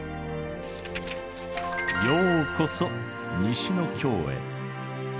ようこそ「西の京」へ。